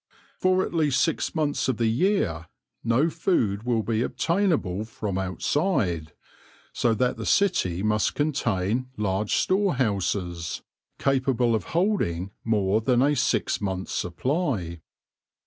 For at least six months of the year no food will be obtainable from outside, so that the city must contain large store houses capable of holding more than a six months* supply.